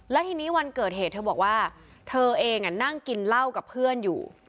แล้วทีนี้วันเกิดเหตุเธอบอกว่าเธอเองนั่งกินเหล้ากับเพื่อนอยู่